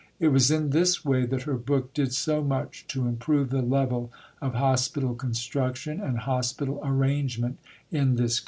It was in this way that her book did so much to improve the level of hospital construction and hospital arrangement in this country.